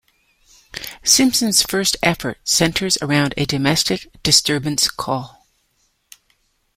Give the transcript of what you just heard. Simpson's first effort centers around a domestic disturbance call.